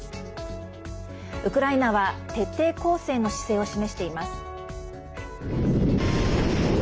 ウクライナは徹底抗戦の姿勢を示しています。